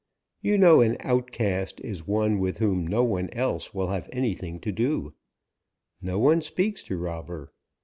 You know an outcast is one with whom no one else will have anything to do. No one speaks to Robber.